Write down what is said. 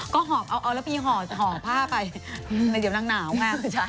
ก็เอาระพีห่อผ้าไปเดี๋ยวนั่งหนาวมาก